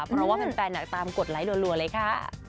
เพราะว่าแฟนตามกดไลค์รัวเลยค่ะ